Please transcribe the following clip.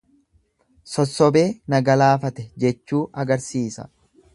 Sossobee na galaafate jechuu agarsisa.